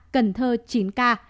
cần thơ chín ca